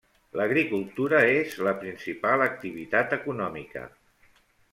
L'agricultura és la principal activitat econòmica.